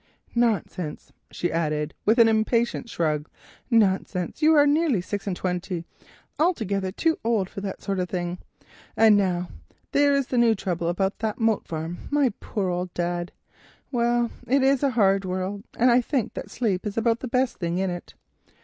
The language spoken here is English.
Nonsense," she added, with an impatient shrug, "nonsense, you are nearly six and twenty, altogether too old for that sort of thing. And now there is this new trouble about the Moat Farm. My poor old father! Well, it is a hard world, and I think that sleep is about the best thing in it."